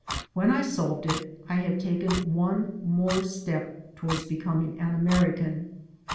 When I solved it I had taken one more step toward becoming an American.